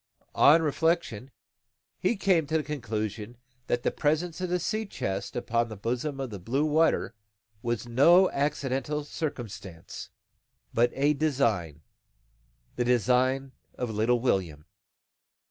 On reflection, he came to the conclusion that the presence of the sea chest upon the bosom of the blue water was no accidental circumstance, but a design, the design of little William.